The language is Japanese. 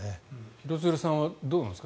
廣津留さんはどうなんですか？